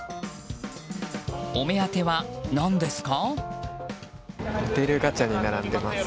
お目当ては何ですか？